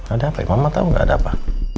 ada apa ya mama tahu nggak ada apa